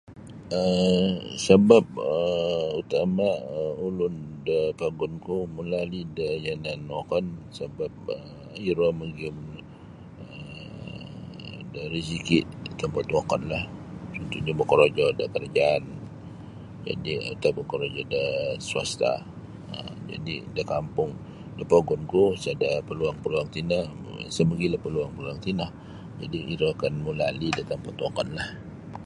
um Sabab um utama um ulun da pogun ku mulali da yanan wokon sabab um iro magium um da raziki da tampat wokonlah contohnya bakorojo da karajaan jadi atau bakorojo da swasta um jadi da kampung da pogun ku sada paluang-palang tino isa magilo paluang-paluang tini jadi iro akan mulali da tampat wokon lah.